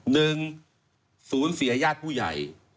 หนึ่งสูญเสียญาติผู้ใหญ่